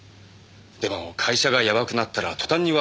でも会社がやばくなったら途端に別れて。